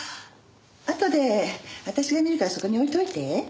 あとで私が見るからそこに置いといて。